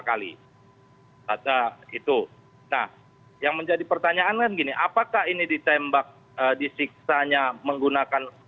kali itu nah yang menjadi pertanyaan kan gini apakah ini ditembak disiksanya menggunakan